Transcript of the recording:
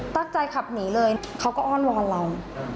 ตั้งใจขับหนีเลยเขาก็อ้อนวอนเรา